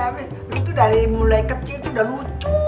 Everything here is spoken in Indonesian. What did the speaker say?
tapi lu tuh dari mulai kecil udah lucu